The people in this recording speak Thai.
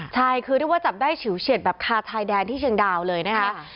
ใช่คือเรียกว่าจับได้ฉิวเฉียดแบบคาทายแดนที่เชียงดาวเลยนะคะ